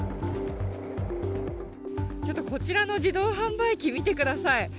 ちょっとこちらの自動販売機見てください。